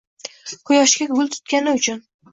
Quyoshga gul tutgani uchun